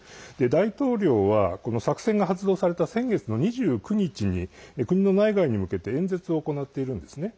大統領は、この作戦が発動された先月の２９日に国の内外に向けて演説を行っているんですね。